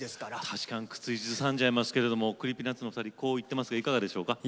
確かに口ずさんじゃいますけれどＣｒｅｅｐｙＮｕｔｓのお二人こう言ってますがいかがでしょうか？